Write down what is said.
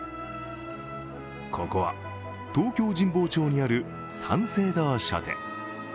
ここは東京・神保町にある三省堂書店。